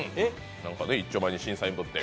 いっちょ前に審査員ぶって。